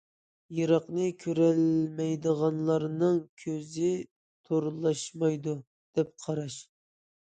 يىراقنى كۆرەلمەيدىغانلارنىڭ كۆزى تورلاشمايدۇ، دەپ قاراش.